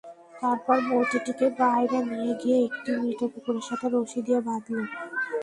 তারপর মূর্তিটিকে বাইরে নিয়ে গিয়ে একটি মৃত কুকুরের সাথে রশি দিয়ে বাঁধল।